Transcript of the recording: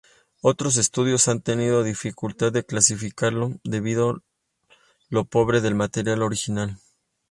Otros estudios han tenido dificultad de clasificarlo, debido lo pobre del material original.